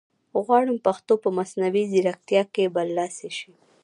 غواړم پښتو په مصنوعي ځیرکتیا کې برلاسې شي